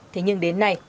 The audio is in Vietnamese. thế nhưng đến nay